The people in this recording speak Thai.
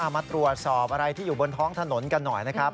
มาตรวจสอบอะไรที่อยู่บนท้องถนนกันหน่อยนะครับ